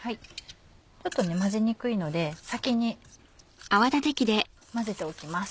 ちょっと混ぜにくいので先に混ぜておきます。